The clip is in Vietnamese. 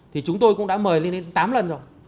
thì chúng tôi cũng đã mời lên đến tám lần rồi